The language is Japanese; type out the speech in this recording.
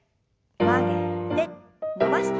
曲げて伸ばして。